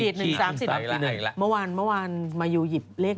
๑๔๑๓๔๑ที่ไหนละเมื่อวานมาอยู่หยิบเลข๑๔